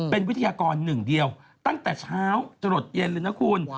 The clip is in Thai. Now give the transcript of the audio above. เป็นวิทยากรหนึ่งเดียวตั้งแต่เช้าจะหลดเย็นเลยนะคุณ